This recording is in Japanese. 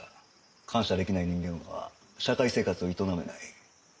感謝できない人間は社会生活を営めない。